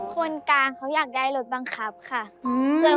คนกลางเขาอยากได้รถบังคับค่ะ